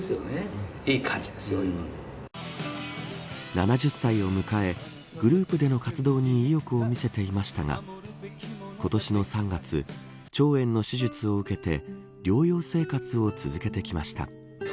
７０歳を迎え、グループでの活動に意欲を見せていましたが今年の３月、腸炎の手術を受けて療養生活を続けてきました。